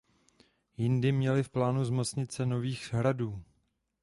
Jindy měli v plánu zmocnit se Nových Hradů.